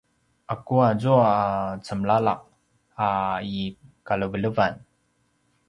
’aku azua a cemlala’ a i kalevelevan?